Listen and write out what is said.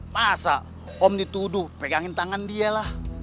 masa om dituduh pegangin tangan dia lah